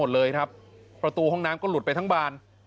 สวยสวยสวยสวยสวยสวยสวยสวยสวย